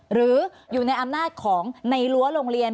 หรืออยู่ในอำนาจของในรั้วโรงเรียน